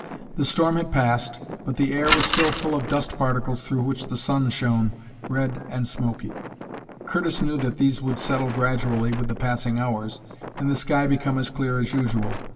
The storm had passed, but the air was still full of dust particles through which the sun shone, red and smoky. Curtis knew that these would settle gradually with the passing hours and the sky become as clear as usual.